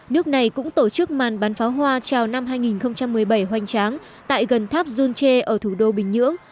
nước này cũng tổ chức màn bán pháo hoa trào năm hai nghìn một mươi bảy hoành tráng tại gần tháp junche ở thủ đô bình nhưỡng